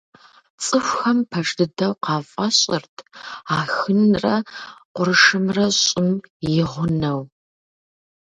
ЦӀыхухэм пэж дыдэу къафӀэщӀырт Ахынрэ къуршымрэ ЩӀым и гъунэу.